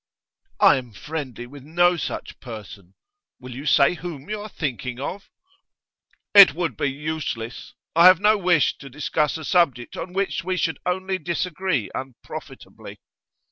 'I am friendly with no such person. Will you say whom you are thinking of?' 'It would be useless. I have no wish to discuss a subject on which we should only disagree unprofitably.